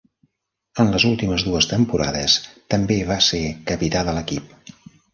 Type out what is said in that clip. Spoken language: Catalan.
En les últimes dues temporades també va ser capità de l'equip.